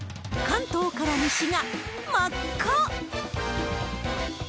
関東から西が真っ赤。